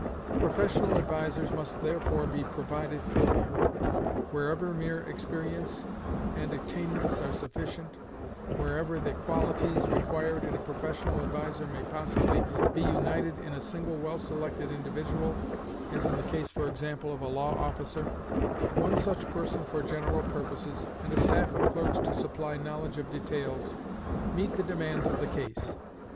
Professional advisers must therefore be provided for him. Wherever mere experience and attainments are sufficient wherever the qualities required in a professional adviser may possibly be united in a single well selected individual (as in the case, for example, of a law officer), one such person for general purposes, and a staff of clerks to supply knowledge of details, meet the demands of the case.